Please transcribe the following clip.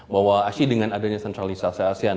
bahwa ase dengan adanya sentralisasi asean